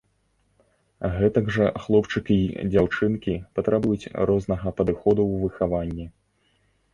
Гэтак жа хлопчыкі і дзяўчынкі патрабуюць рознага падыходу ў выхаванні.